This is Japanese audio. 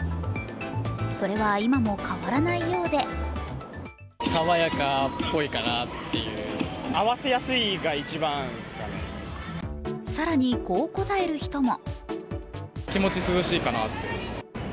それは今も変わらないようで更にこう答える人も。